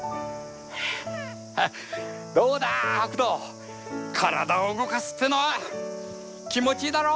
どうだ北斗体を動かすってのは気持ちいいだろ。